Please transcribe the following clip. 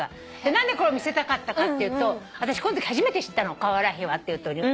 何でこれを見せたかったかっていうと私このとき初めて知ったのカワラヒワっていう鳥。